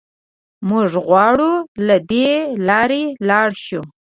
موږ غواړو له دې لارې لاړ شو.